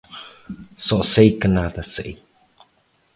Só sei que nada sei.